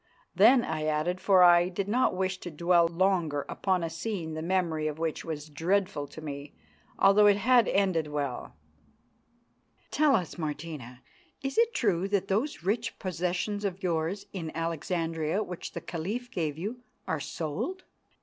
Then I added, for I did not wish to dwell longer upon a scene the memory of which was dreadful to me, although it had ended well, "Tell us, Martina, is it true that those rich possessions of yours in Alexandria which the Caliph gave you are sold?"